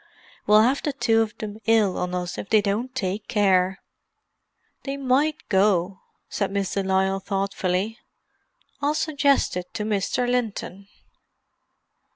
We'll have the two of them ill on us if they don't take care." "They might go," said Miss de Lisle thoughtfully. "I'll suggest it to Mr. Linton."